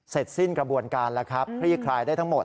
สิ้นกระบวนการแล้วครับคลี่คลายได้ทั้งหมด